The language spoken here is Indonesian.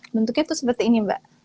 bentuknya itu seperti ini mbak